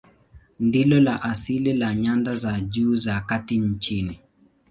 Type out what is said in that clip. Ndilo la asili la nyanda za juu za kati nchini.